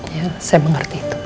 iya saya mengerti itu bu